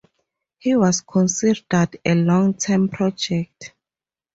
He was considered a long term project.